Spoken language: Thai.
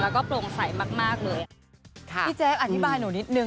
และก็โปร่งใวยมากเลยใช่ไหมครับพี่แจ๊กอธิบายหนูนิดหนึ่ง